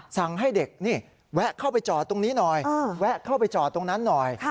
สั่งให้เด็กนี่แวะเข้าไปจอดตรงนี้หน่อยแวะเข้าไปจอดตรงนั้นหน่อย